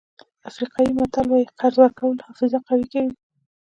افریقایي متل وایي قرض ورکول حافظه قوي کوي.